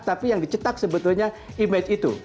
tapi yang dicetak sebetulnya image itu